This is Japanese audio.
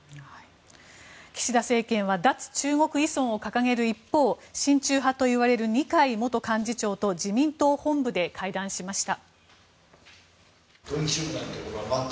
岸田政権は脱中国依存を掲げる一方親中派といわれる二階元幹事長と自民党本部で会談しました。